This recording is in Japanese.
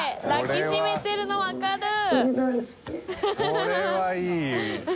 これはいい！